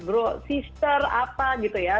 bro sister apa gitu ya